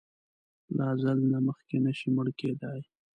له اځل نه مخکې نه شې مړ کیدای!